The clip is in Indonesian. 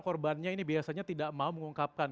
korbannya ini biasanya tidak mau mengungkapkan